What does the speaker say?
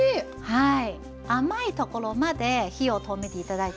はい。